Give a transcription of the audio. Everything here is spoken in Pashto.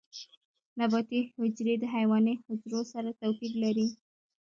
نباتي حجرې د حیواني حجرو سره توپیر لري